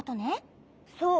そう。